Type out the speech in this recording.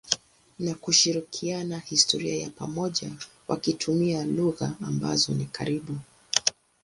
na kushirikiana historia ya pamoja wakitumia lugha ambazo ni karibu.